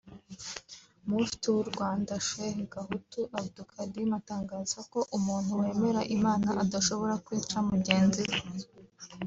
Mufti w’u Rwanda Sheik Gahutu Abdou Karim atangaza ko umuntu wemera Imana adashobora kwica mugenzi we